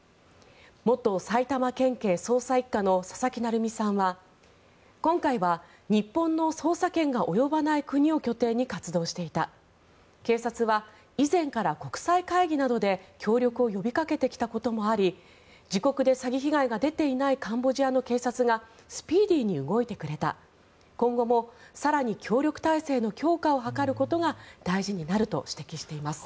元埼玉県警捜査１課の佐々木成三さんは今回は日本の捜査権が及ばない国を拠点に活動していた警察は以前から国際会議などで協力を呼びかけてきたこともあり自国で詐欺被害が出ていないカンボジアの警察がスピーディーに動いてくれた今後も更に協力体制の強化を図ることが大事になると指摘しています。